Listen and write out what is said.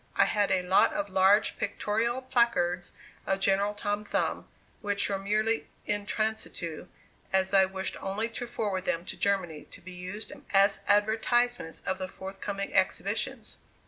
I had a lot of large pictorial placards of General Tom Thumb, which were merely in transitu, as I wished only to forward them to Germany to be used as advertisements of the forthcoming exhibitions.